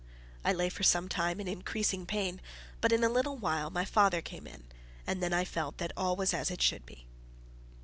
I lay for some time in increasing pain; but in a little while my father came in, and then I felt that all was as it should be.